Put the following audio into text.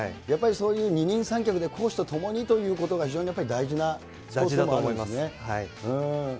やっぱりそういう二人三脚でコーチと共にということが非常にやっ大事だと思います。